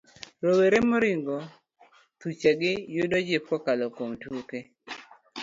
Rowere moringo thuchegi yudo jip kokalo kuom tuke.